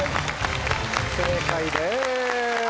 正解です。